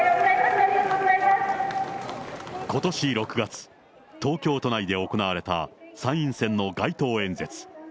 ことし６月、東京都内で行われた参院選の街頭演説。